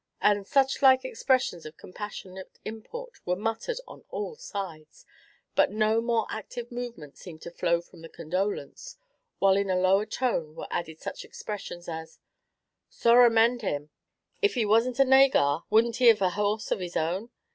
and such like expressions of compassionate import, were muttered on all sides; but no more active movement seemed to flow from the condolence, while in a lower tone were added such expressions as, "Sorra mend him if he wasn't a naygar, wouldn't he have a horse of his own?